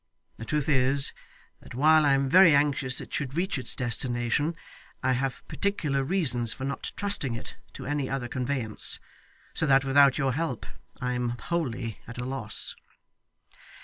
The truth is, that while I am very anxious it should reach its destination, I have particular reasons for not trusting it to any other conveyance; so that without your help, I am wholly at a loss.